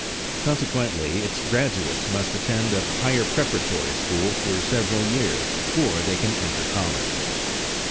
Consequently its graduates must attend a higher preparatory school for several years before they can enter college.